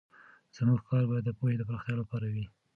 زموږ کار باید د پوهې د پراختیا لپاره وي.